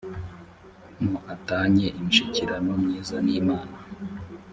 mo a tanye imishyikirano myiza n imana